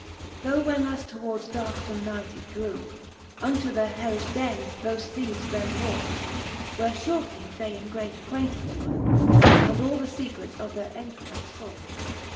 Tho when as towards darkfomc night it drew, Unto their hellifh dens thofe theeves them brought, Where fhortly they in great acquaintance grew. And all the fecrets of their entrayles fought.